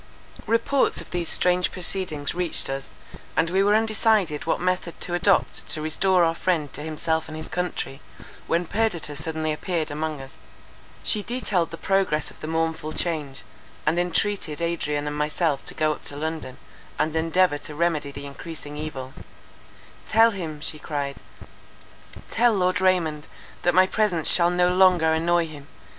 Reports of these strange proceedings reached us, and we were undecided what method to adopt to restore our friend to himself and his country, when Perdita suddenly appeared among us. She detailed the progress of the mournful change, and entreated Adrian and myself to go up to London, and endeavour to remedy the encreasing evil:—"Tell him," she cried, "tell Lord Raymond, that my presence shall no longer annoy him.